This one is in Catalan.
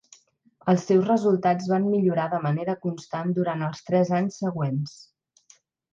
Els seus resultats van millorar de manera constant durant els tres anys següents.